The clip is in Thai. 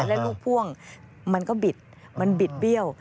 และลูกพ่วงมันก็บิดมันบิดเบี้ยว